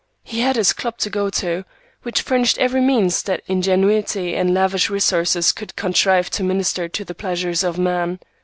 He had his club to go to, which furnished every means that ingenuity and lavish resources could contrive to minister to the pleasures of man.